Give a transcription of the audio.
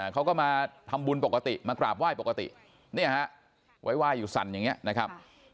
เขาก็มาทำบุญปกติมากราบไหว้ปกติเนี่ยฮะไว้ไหว้อยู่สั่นอย่างนี้นะครับ